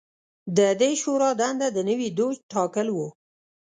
د دې شورا دنده د نوي دوج ټاکل و